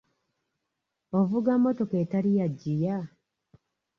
Ovuga mmotoka ettali ya ggiya?